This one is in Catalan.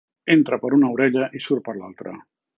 Entra per una orella i surt per l'altra.